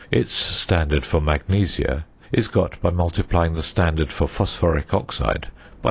Its standard for magnesia is got by multiplying the standard for phosphoric oxide by 0.